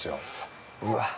うわ。